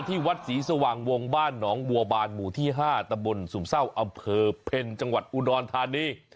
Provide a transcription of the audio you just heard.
ที่วัดศรีสว่างวงบ้านหนองบัวบานหมู่ที่๕ตำบลสุ่มเศร้าอำเภอเพ็ญจังหวัดอุดรธานี